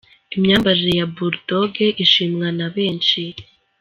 Imyambarire ya Bull Dogg ishimwa na benshi.